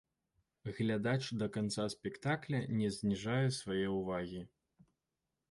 Глядач да канца спектакля не зніжае свае ўвагі.